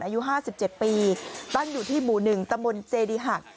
อายุห้าสิบเจ็ดปีตั้งอยู่ที่หมู่หนึ่งตะมนต์เจดีหัก